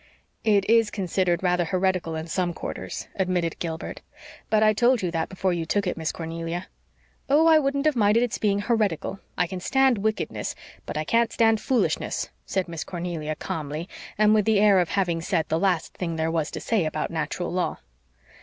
"It IS considered rather heretical in some quarters," admitted Gilbert, "but I told you that before you took it, Miss Cornelia." "Oh, I wouldn't have minded its being heretical. I can stand wickedness, but I can't stand foolishness," said Miss Cornelia calmly, and with the air of having said the last thing there was to say about Natural Law.